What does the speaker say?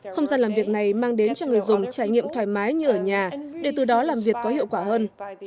không gian làm việc này mang đến cho người dùng trải nghiệm thoải mái như ở nhà để từ đó làm việc có hiệu quả hơn